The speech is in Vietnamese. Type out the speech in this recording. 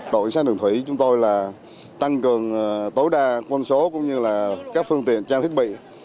đội sát đường thủy chúng tôi là tăng cường tối đa quân số cũng như là các phương tiện trang thiết bị